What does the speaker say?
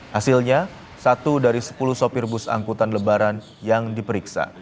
hasilnya satu dari sepuluh sopir bus angkutan lebaran yang diperiksa